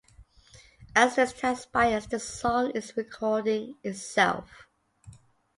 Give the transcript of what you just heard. As this transpires the song is recording itself.